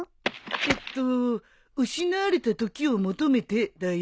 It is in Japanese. えっと『失われた時を求めて』だよ。